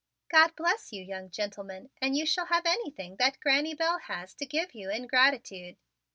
"God bless you, young gentleman, and you shall have anything that Granny Bell has to give you in gratitude.